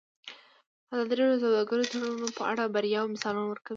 ازادي راډیو د سوداګریز تړونونه په اړه د بریاوو مثالونه ورکړي.